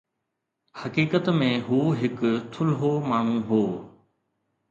حقيقت ۾ هو هڪ ٿلهو ماڻهو هو.